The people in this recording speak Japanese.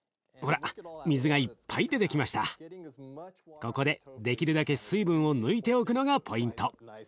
ここでできるだけ水分を抜いておくのがポイント。